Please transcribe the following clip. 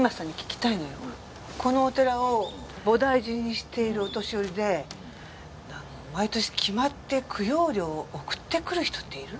このお寺を菩提寺にしているお年寄りで毎年決まって供養料を送ってくる人っている？